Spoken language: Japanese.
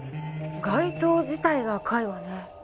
街灯自体が赤いわね